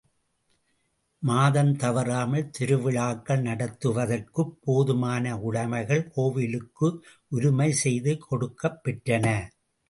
மாதந் தவறாமல் திருவிழாக்கள் நடத்துவதற்குப் போதுமான உடைமைகள் கோவிலுக்கு உரிமை செய்து கொடுக்கப் பெற்றன.